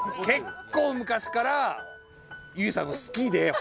結構昔から結実さんのこと好きで。